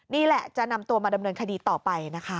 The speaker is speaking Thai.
นี่แหละจะนำตัวมาดำเนินคดีต่อไปนะคะ